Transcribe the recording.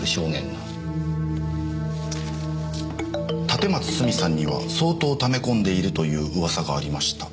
「立松スミさんには相当貯め込んでいるという噂がありました」